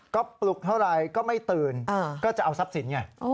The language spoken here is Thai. ก็ปลุกเท่าไรก็ไม่ตื่นก็จะเอาทรัพย์สินไง